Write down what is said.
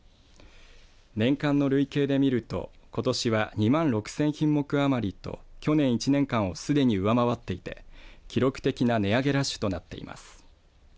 年間の累計で見るとことしは２万６０００品目余りと去年１年間をすでに上回っていて記録的な値上げラッシュとなっています。